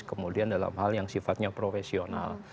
kemudian dalam hal yang sifatnya profesional